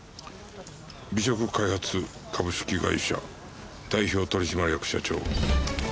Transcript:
「美食開発株式会社代表取締役社長秋野芳美」